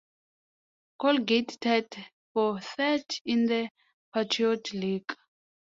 Colgate tied for third in the Patriot League.